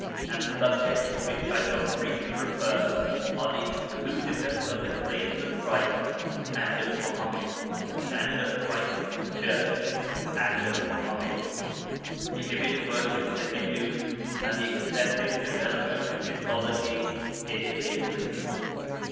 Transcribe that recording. And the subjects to which I shall briefly refer are the exclusiveness of the claims of Christ and of Muḥammad, and of Christ's Church and of Muḥammad's, the image worship of the Hindus and the excessive development of mythology in Hinduism.